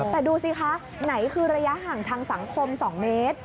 แต่ดูสิคะไหนคือระยะห่างทางสังคม๒เมตร